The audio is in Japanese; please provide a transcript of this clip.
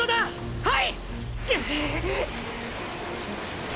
はい！！